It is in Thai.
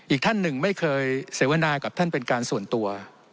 อีกท่านหนึ่งไม่เคยเสวนากับท่านเป็นการส่วนตัว